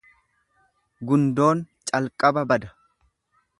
Gundoon calqaba bada.